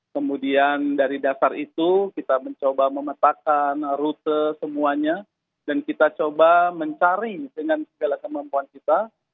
kemudian dari dasar itu kita mencoba memetakan rute semuanya dan kita coba mencari dengan segala kemampuan kita